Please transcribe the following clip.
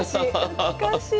懐かしい。